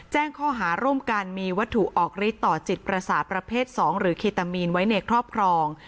แจ้งข้อหาร่วมกันมีวัตถุออกฤทธิต่อจิตประสาทประเภท๒หรือเคตามีนไว้ในครอบครอง